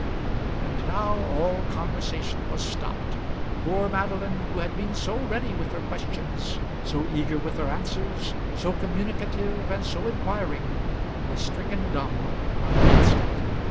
And now all conversation was stopped. Poor Madeline, who had been so ready with her questions, so eager with her answers, so communicative and so inquiring, was stricken dumb on the instant.